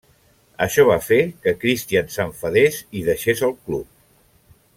Això va fer que Christian s'enfadés i deixés el club.